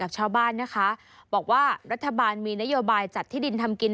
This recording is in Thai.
ชาวบ้านนะคะบอกว่ารัฐบาลมีนโยบายจัดที่ดินทำกิน